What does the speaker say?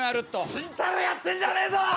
ちんたらやってんじゃねえぞ！